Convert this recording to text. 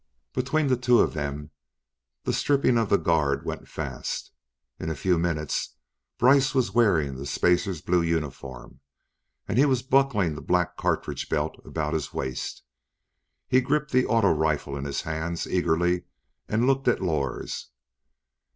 Between the two of them, the stripping of the guard was fast. In a few minutes, Brice was wearing the spacer's blue uniform and was buckling the black cartridge belt about his waist. He gripped the auto rifle in his hands eagerly and looked at Lors.